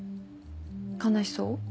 悲しそう？